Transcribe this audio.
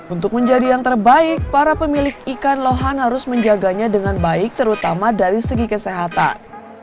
untuk menjadi yang terbaik para pemilik ikan lohan harus menjaganya dengan baik terutama dari segi kesehatan